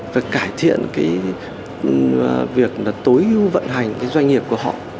và cải thiện cái việc là tối ưu vận hành cái doanh nghiệp của họ